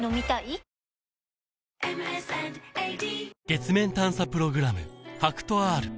月面探査プログラム